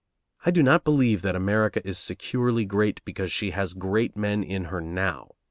I do not believe that America is securely great because she has great men in her now.